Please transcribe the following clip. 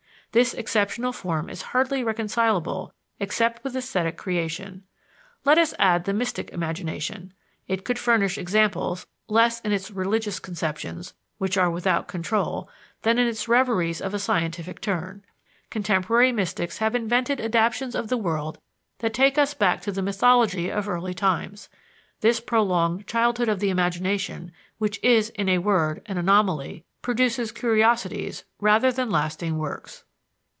This exceptional form is hardly reconcilable except with esthetic creation. Let us add the mystic imagination. It could furnish examples, less in its religious conceptions, which are without control, than in its reveries of a scientific turn. Contemporary mystics have invented adaptations of the world that take us back to the mythology of early times. This prolonged childhood of the imagination, which is, in a word, an anomaly, produces curiosities rather than lasting works.